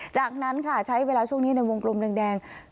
จากนั้นค่ะใช้เวลาช่วงนี้ในวงกลมแดง